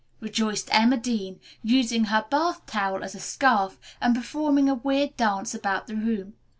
rejoiced Emma Dean, using her bath towel as a scarf and performing a weird dance about the room.